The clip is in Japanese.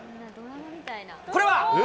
これは？